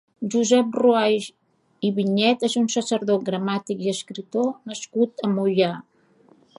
Josep Ruaix i Vinyet és un sacerdot, gramàtic i escriptor nascut a Moià.